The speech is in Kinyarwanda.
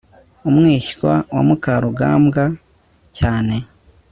umwishywa wa mukarugambwa cyane